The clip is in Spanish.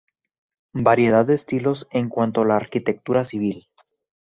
Variedad de estilos en cuanto a la arquitectura civil.